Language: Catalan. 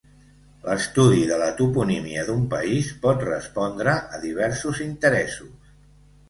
L'estudi de la toponímia d'un país pot respondre a diversos interessos.